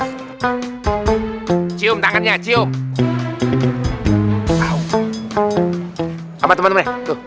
itu cium tangannya cium apa temen temen